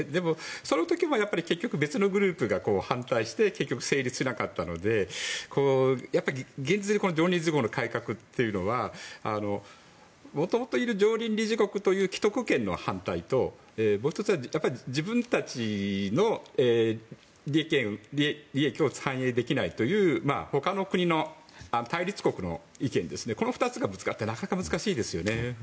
その時も結局別のグループが反対して成立しなかったので現実的に常任理事国の改革っていうのはもともといる常任理事国という既得権の反対ともう１つは、自分たちの利益を反映できないという他の国の対立国の意見のこの２つがぶつかってなかなか難しいですよね。